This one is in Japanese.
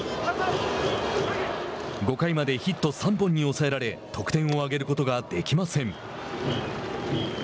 ５回までヒット３本に抑えられ得点を挙げることができません。